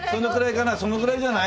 そのぐらいじゃない？